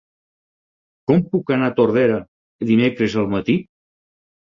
Com puc anar a Tordera dimecres al matí?